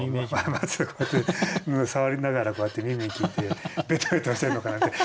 松をこうやって触りながらこうやって見に行っててべとべとしてるのかなって。